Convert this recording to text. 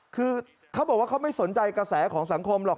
คือเขาบอกว่าเขาไม่สนใจกระแสของสังคมหรอก